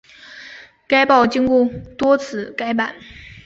该报经多次改版。